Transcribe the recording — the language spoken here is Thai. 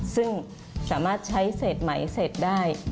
ซึ่งสามารถใช้เสร็จไหมเสร็จได้